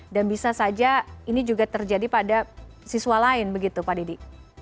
dan bisa saja ini juga terjadi pada siswa lain begitu pak didi